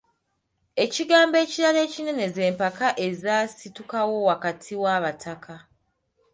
Ekigambo ekirala ekinene ze mpaka ezaasitukawo wakati w'Abataka.